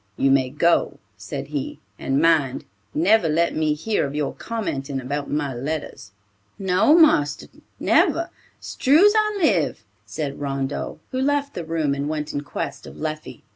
"You may go," said he, "and mind, never let me hear of your commenting about my letters." "No, marster, never; 'strue's I live," said Rondeau, who left the room and went in quest of Leffie.